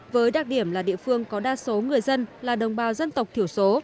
với đặc điểm là địa phương có đa số người dân là đồng bào dân tộc thiểu số